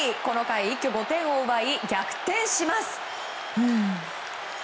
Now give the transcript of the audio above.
この回、一挙５点を奪い逆転します。